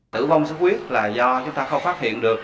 tử vong xuất huyết là do chúng ta không phát hiện được